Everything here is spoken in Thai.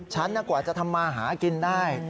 ฉันกว่าจะทำมาหากินได้